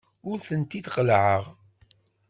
Ur ten-id-qellɛeɣ.